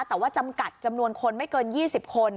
แต่ว่าจำกัดจำนวนคนไม่เกิน๒๐คน